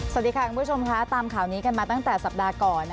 สวัสดีค่ะคุณผู้ชมค่ะตามข่าวนี้กันมาตั้งแต่สัปดาห์ก่อน